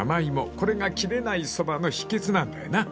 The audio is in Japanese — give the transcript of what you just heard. ［これが切れないそばの秘訣なんだよな］